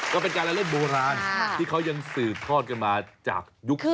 ก็เป็นการละเล่นโบราณที่เขายังสืบทอดกันมาจากยุค